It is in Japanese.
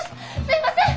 すいません！